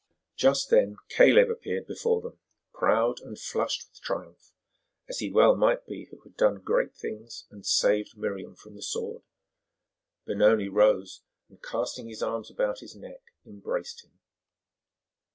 Just then Caleb appeared before them, proud and flushed with triumph, as he well might be who had done great things and saved Miriam from the sword. Benoni rose and, casting his arms about his neck, embraced him.